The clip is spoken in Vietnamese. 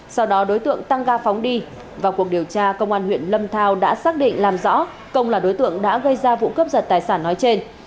sau đó đối tượng tăng ga phóng đi vào cuộc điều tra công an huyện lâm thao đã xác định làm rõ công là đối tượng đã gây ra vụ cướp giật tài sản nói trên